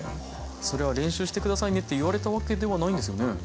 それは練習してくださいねって言われたわけではないんですよね。